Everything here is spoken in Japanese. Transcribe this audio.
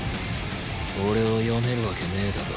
俺を読めるわけねえだろ。